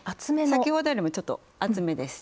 先ほどよりもちょっと厚めです。